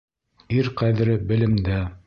Ир ҡәҙере белемдә.